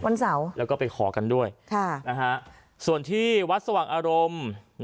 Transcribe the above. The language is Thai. วันเสาร์แล้วก็ไปขอกันด้วยส่วนที่วัดสว่างอารมณ์